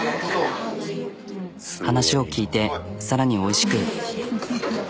話を聞いてさらにおいしく。